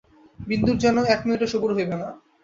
বিন্দুর যেন এক মিনিটও সবুর সইবে না।